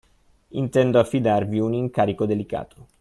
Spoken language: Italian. Intendo affidarvi un incarico delicato.